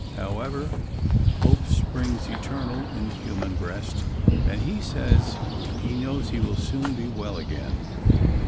However, "hope springs eternal in the human breast" and he says he knows he will soon be well again.